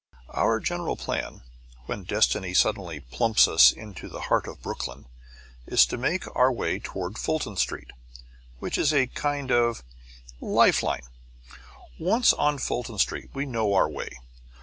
Our general plan, when destiny suddenly plumps us into the heart of Brooklyn, is to make our way toward Fulton Street, which is a kind of life line. Once on Fulton Street we know our way.